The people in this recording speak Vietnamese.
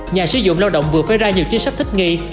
nhà sử dụng lao động vừa phải ra nhiều chính sách thích nghi